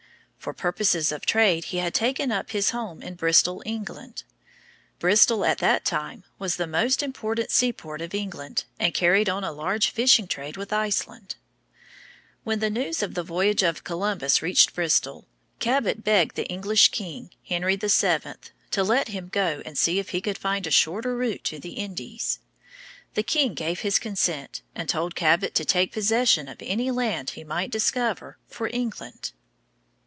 For purposes of trade he had taken up his home in Bristol, England. Bristol at that time was the most important seaport of England, and carried on a large fishing trade with Iceland. [Illustration: Sebastian Cabot.] When the news of the voyage of Columbus reached Bristol, Cabot begged the English king, Henry VII., to let him go and see if he could find a shorter route to the Indies. The king gave his consent, and told Cabot to take possession of any land he might discover for England.